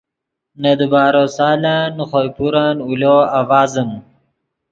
نے دیبارو سالن نے خوئے پورن اولو آڤازیم